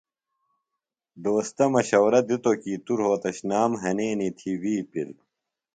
دوستہ مشورہ دِتوۡ کیۡ توۡ رھوتشنام ہنینیۡ تھی وی پِل۔